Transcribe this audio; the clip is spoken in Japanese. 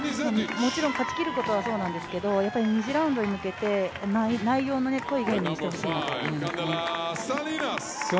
もちろん勝ちきることはそうなんですけれども、２次ラウンドに向けて内容の濃いゲームにしてほしいと思いますね。